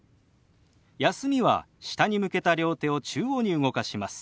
「休み」は下に向けた両手を中央に動かします。